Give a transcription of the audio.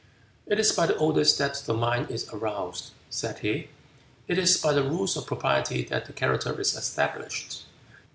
"It is by the odes that the mind is aroused," said he. "It is by the rules of propriety that the character is established.